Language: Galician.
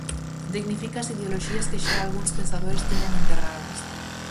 Dignifica as ideoloxías que xa algúns pensadores tiñan enterradas.